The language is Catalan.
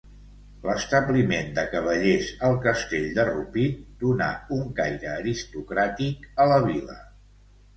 L'establiment de Cavallers al Castell de Rupit donà un caire aristocràtic a la vila.